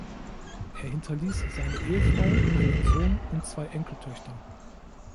Er hinterließ seine Ehefrau, einen Sohn und zwei Enkeltöchter.